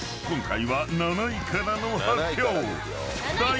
今回は７位からの発表］